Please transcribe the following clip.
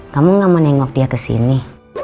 kamu gak mau nengok dia kesini